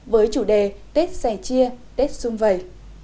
với chủ đề tết sẻ chia tết xuân vầy